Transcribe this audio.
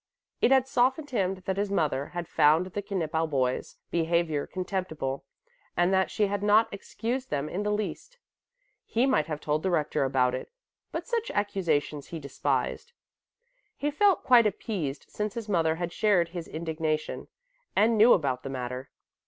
It had softened him that his mother had found the Knippel boys' behaviour contemptible and that she had not excused them in the least. He might have told the Rector about it, but such accusations he despised. He felt quite appeased since his mother had shared his indignation and knew about the matter.